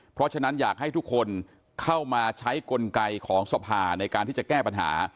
เพราะฉะนั้นอยากให้ทุกคนเข้ามาใช้กลไกของสภาในการที่จะแก้ปัญหา